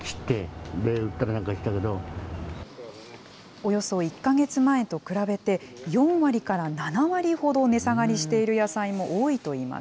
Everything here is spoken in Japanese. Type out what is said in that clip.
およそ１か月前と比べて、４割から７割ほど値下がりしている野菜も多いといいます。